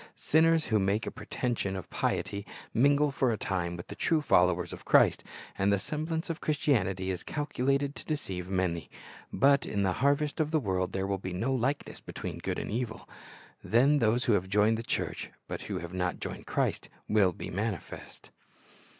Sinners who make a pretension of piety mingle for a time with the true followers of Christ, and the semblance of Christianity is calculated to deceive many; but in the harvest of the world there will be no likeness between good and evil. Then those who have joined the church, but who have not joined Christ, will be manifest.